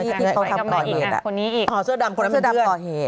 ที่ที่เขาทำต่อเหตุอ่ะคนนี้อีกอ๋อเสื้อดำคนนั้นเป็นเพื่อนเสื้อดำต่อเหตุ